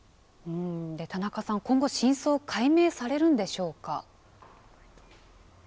田中さん、今後、真相解明されるんでしょうか。